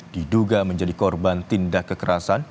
diduga menjadi korban tindak kekerasan